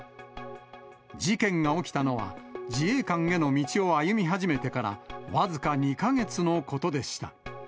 事件が起きたのは、自衛官への道を歩み始めてから僅か２か月のことでした。